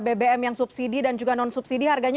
bbm yang subsidi dan juga non subsidi harganya